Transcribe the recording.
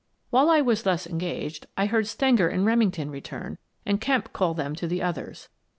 While I was thus engaged, I heard Stenger and Remington return and Kemp call them to the others.